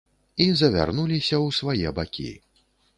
І завярнуліся ў свае бакі.